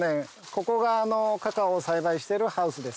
ここがカカオを栽培しているハウスです。